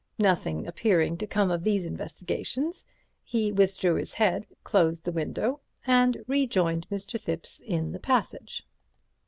Nothing appearing to come of these investigations, he withdrew his head, closed the window, and rejoined Mr. Thipps in the passage.